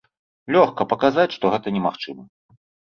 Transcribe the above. Лёгка паказаць, што гэта немагчыма.